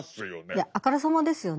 いやあからさまですよね。